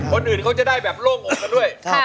คนอื่นเขาจะได้แบบโล่งอกกันด้วย